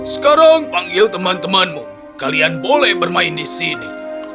sekarang panggil teman temanmu kalian boleh bermain di sini